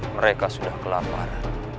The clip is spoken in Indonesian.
mereka sudah kelapar